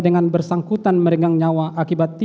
dsaa tips wilayah terbuka